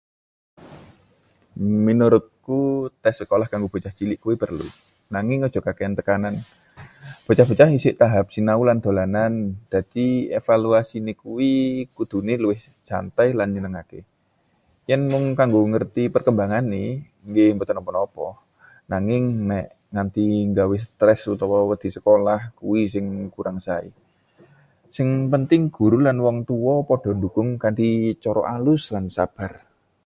Menurutku, tes sekolah kanggo bocah cilik kuwi perlu, nanging aja kakehan tekanan. Bocah-bocah isih tahap sinau lan dolanan, dadi evaluasine kudune luwih santai lan nyenengake. Yen mung kanggo ngerti perkembangané, nggih mboten napa-napa. Nanging nek nganti nggawe stres utawa wedi sekolah, kuwi sing kurang sae. Sing penting guru lan wong tuwa padha ndhukung kanthi cara alus lan sabar.